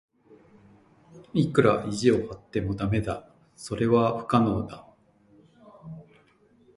いくら意地を張っても駄目だ。それは不可能だ。